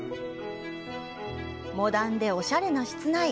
モダンでおしゃれな室内。